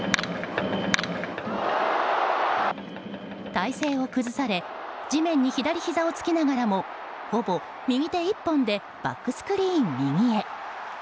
体勢を崩され地面に左ひざをつきながらもほぼ右手１本でバックスクリーン右へ。